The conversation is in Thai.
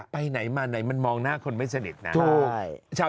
ไปไหนมาไหนมันมองหน้าคนไม่สนิทนะ